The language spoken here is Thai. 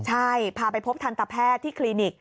ใช่พาไปพบทันตแพทย์ที่คลินิก